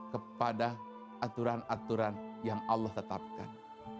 kepada aturan aturan yang allah tetapkan